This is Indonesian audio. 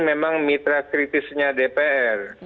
memang mitra kritisnya dpr